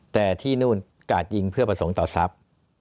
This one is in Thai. แต่ที่นู่นกาดยิงเพื่อประสงค์ต่อทรัพย์